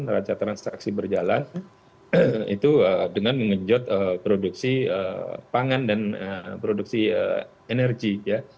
meraca transaksi berjalan itu dengan mengejut produksi pangan dan produksi energi